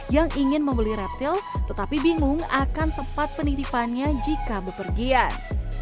yang ingin membeli reptil tetapi bingung akan tempat penitipannya jika bepergian